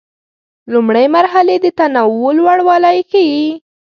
لومړۍ مرحلې د تنوع لوړوالی ښيي.